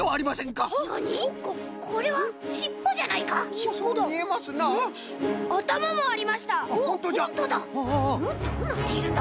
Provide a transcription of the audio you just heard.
どうなっているんだ？